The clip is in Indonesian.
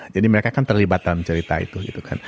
jadi mereka kan terlibat dalam cerita itu